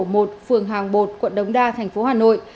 phường hàng bột quận đống đa thành phố hà nội